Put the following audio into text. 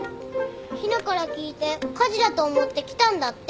陽菜から聞いて火事だと思って来たんだって。